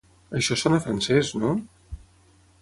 Això sona francès, no?